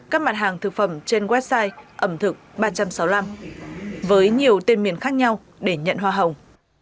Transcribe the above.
các mặt hàng thực phẩm trên website ẩm thực ba trăm sáu mươi năm với nhiều tên miền khác nhau để nhận hoa hồng